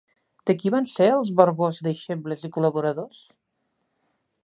De qui van ser els Vergós deixebles i col·laboradors?